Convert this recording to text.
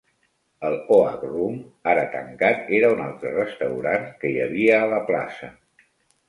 El Oak Room, ara tancat, era un altre restaurant que hi havia a la plaça.